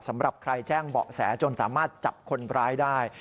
สำหรับใครแจ้งเบาะแสจนสามารถจับคนร้ายได้